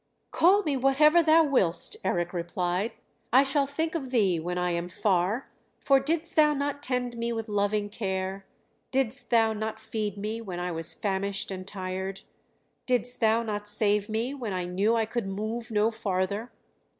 "Call me whatever thou willst," Eric replied. "I shall think of thee when I am far; for didst thou not tend me with loving care? Didst thou not feed me when I was famished and tired? Didst thou not save me when I knew I could move no farther?